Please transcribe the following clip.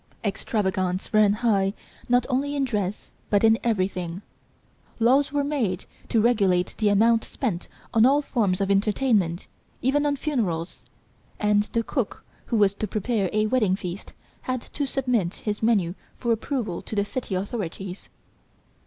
Extravagance ran high not only in dress, but in everything, laws were made to regulate the amount spent on all forms of entertainment, even on funerals, and the cook who was to prepare a wedding feast had to submit his menu for approval to the city authorities.